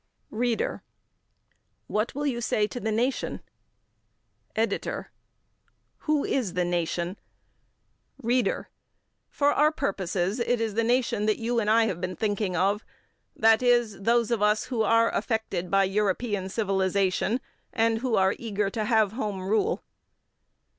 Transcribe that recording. READER: What will you say to the nation? EDITOR: Who is the nation? READER: For our purposes it is the nation that you and I have been thinking of, that is, those of us who are affected by European civilization, and who are eager to have Home Rule.